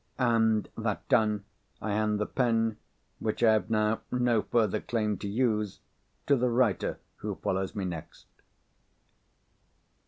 _ And that done, I hand the pen, which I have now no further claim to use, to the writer who follows me next.